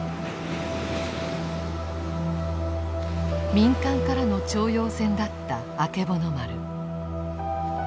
民間からの徴用船だったあけぼの丸。